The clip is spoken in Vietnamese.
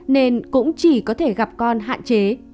nên cũng chỉ có thể gặp con hạn chế